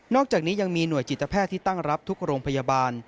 อกจากนี้ยังมีหน่วยจิตแพทย์ที่ตั้งรับทุกโรงพยาบาล